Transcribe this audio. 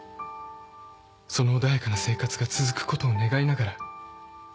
その穏やかな生活が続くことを願いながら